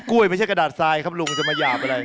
กล้วยไม่ใช่กระดาษไซส์ครับลุงจะมาหยาบอะไร